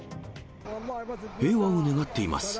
平和を願っています。